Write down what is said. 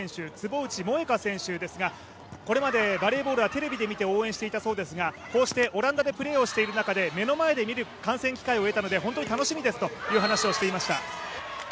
これまでバレーボールはテレビで見て応援していたそうですが、こうしてオランダでプレーをしている中で目の前で見る観戦機会をいただいたので本当に楽しみですという話をしていました。